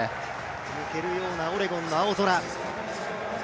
抜けるようなオレゴンの青空。